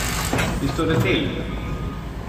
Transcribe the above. Hur står det till?